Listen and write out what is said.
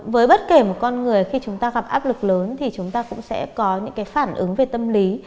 với bất kể một con người khi chúng ta gặp áp lực lớn thì chúng ta cũng sẽ có những cái phản ứng về tâm lý